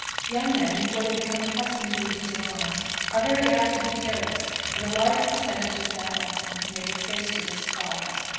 _ Young men, before they become accustomed to the use of arms, are very apt to be careless, and a large percentage of gun accidents may be traced to this cause.